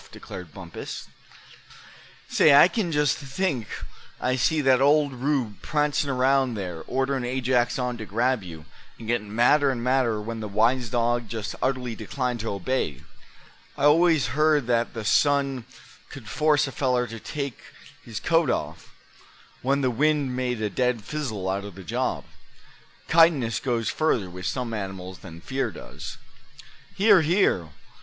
declared Bumpus. "Say, I c'n just think I see that Old Rube prancin' around there, orderin' Ajex on to grab you, an' gettin' madder'n madder when the wise dog just utterly declined to obey. I always heard that the sun c'd force a feller to take his coat off, when the wind made a dead fizzle out of the job. Kindness goes further with some animals than fear does." "Hear! hear!